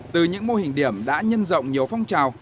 từ những mô hình điểm đã nhân rộng nhiều phong trào